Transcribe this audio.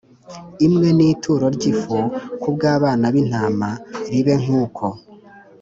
Imwe n ituro ry ifu ku bw abana b intama ribe nk uko